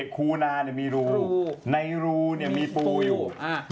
คูนาเนี่ยมีรูในรูเนี่ยมีปู่อยู่